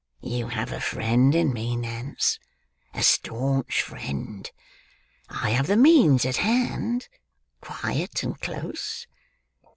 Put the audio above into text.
You have a friend in me, Nance; a staunch friend. I have the means at hand, quiet and close.